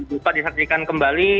bisa disaksikan kembali